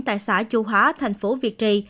tại xã chu hóa thành phố việt trì